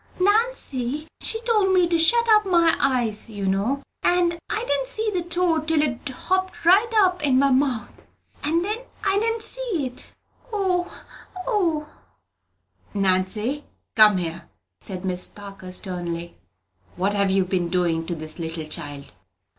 Nancy, she told me to shut up my eyes, you know, and I didn't see the toad till it hopped right up in my mouth, and then I didn't see it! O, O!" "Nancy, come here," said Miss Parker, sternly. "What have you been doing to this little child?"